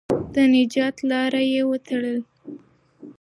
د نجات لاره یې وتړله.